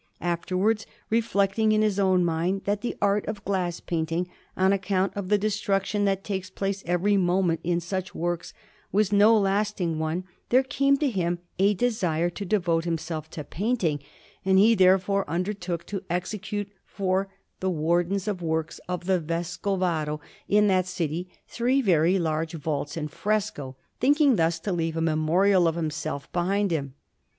Afterwards, reflecting in his own mind that the art of glass painting, on account of the destruction that takes place every moment in such works, was no lasting one, there came to him a desire to devote himself to painting, and he therefore undertook to execute for the Wardens of Works of the Vescovado in that city three very large vaults in fresco, thinking thus to leave a memorial of himself behind him.